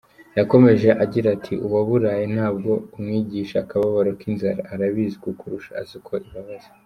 Yakomeje agira ati “Uwaburaye ntabwo umwigisha akababaro k’inzara, arabizi kukurusha, azi uko ibabaza.